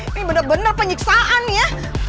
ini bener bener penyiksaan ya